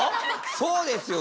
そうですよね。